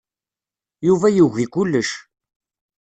Yuba yugi kullec.